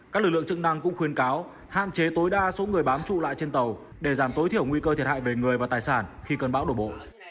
các lực lượng chức năng cũng khuyên cáo hạn chế tối đa số người bám trụ lại trên tàu để giảm tối thiểu nguy cơ thiệt hại về người và tài sản khi cơn bão đổ bộ